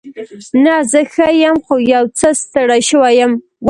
نه، زه ښه یم. خو یو څه ستړې شوې یم.